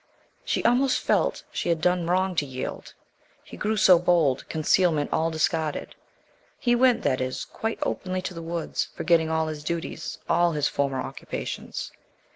She almost felt she had done wrong to yield; he grew so bold, concealment all discarded. He went, that is, quite openly to the woods, forgetting all his duties, all his former occupations.